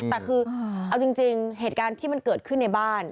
แต่คือเอาจริงเหตุการณ์ที่มันเกิดขึ้นในบ้าน